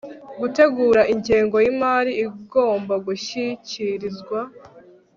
gutegura ingengo y imari igomba gushyikirizwa